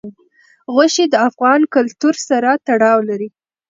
غوښې د افغان کلتور سره تړاو لري.